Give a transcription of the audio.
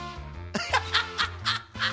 アハハハハハハ。